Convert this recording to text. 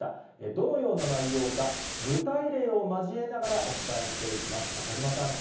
どのような内容か、具体例を交えながら、お伝えしていきます。